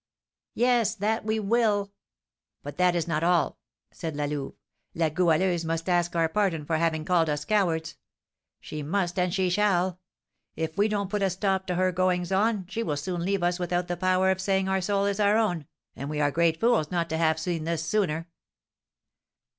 "Yes, that we will." "But that is not all!" said La Louve. "La Goualeuse must ask our pardon for having called us cowards. She must and she shall! If we don't put a stop to her goings on, she will soon leave us without the power of saying our soul is our own, and we are great fools not to have seen this sooner."